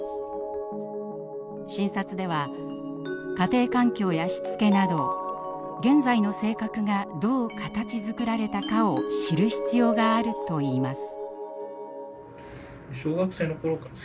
診察では家庭環境やしつけなど現在の性格がどう形づくられたかを知る必要があるといいます。